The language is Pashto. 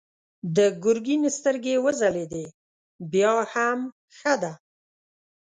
د ګرګين سترګې وځلېدې: بيا هم ښه ده.